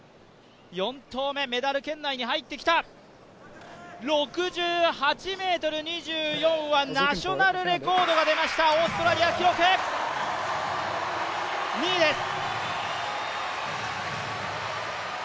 ４投目メダル圏内に入ってきた、６８ｍ２４はナショナルレコードが出ました、オーストラリア記録、２位です。